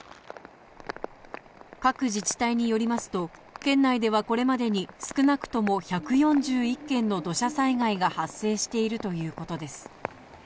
各自治体によりますと県内ではこれまでに少なくとも１４１件の土砂災害が発生しているということです。